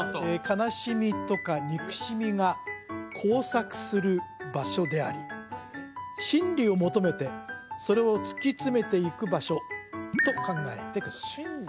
悲しみとか憎しみが交錯する場所であり真理を求めてそれを突き詰めていく場所と考えてください真理？